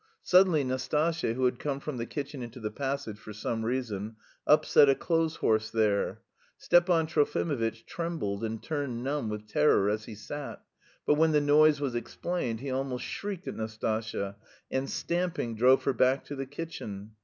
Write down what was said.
Suddenly Nastasya, who had come from the kitchen into the passage for some reason, upset a clothes horse there. Stepan Trofimovitch trembled and turned numb with terror as he sat; but when the noise was explained, he almost shrieked at Nastasya and, stamping, drove her back to the kitchen.